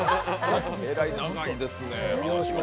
えらい長いですね。